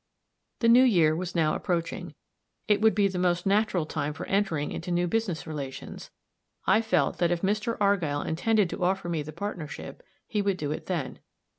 The new year was now approaching; it would be the most natural time for entering into new business relations; I felt that if Mr. Argyll intended to offer me the partnership, he would do it then.